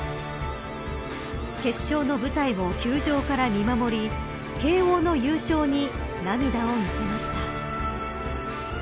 決勝の舞台も、球場から見守り慶応の優勝に涙を見せました。